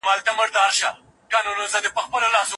ده د څراغ په رڼا کې خپل پخواني فکرونه یو ځل بیا وکتل.